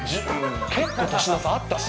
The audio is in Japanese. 結構年の差あったし。